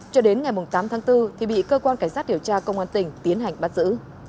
cho đến ngày tám tháng bốn thì bị cơ quan cảnh sát điều tra công an tỉnh tiến hành bắt giữ